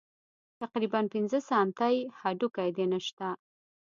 تقريباً پينځه سانتۍ هډوکى دې نشته.